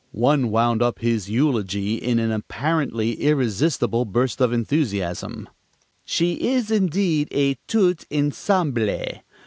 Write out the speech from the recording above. One wound up his eulogy in an apparently irrepressible burst of enthusiasm: "She is indeed a tout ensemble."